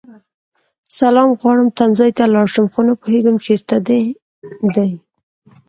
سلام غواړم تمځای ته لاړشم خو نه پوهيږم چیرته دی